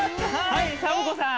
はいサボ子さん。